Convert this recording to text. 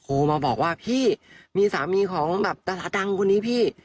โทรมาบอกว่าพี่มีสามีของแบบดาราดังคนนี้พี่